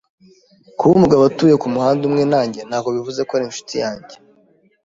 Kuba umugabo atuye kumuhanda umwe nanjye ntabwo bivuze ko ari inshuti yanjye.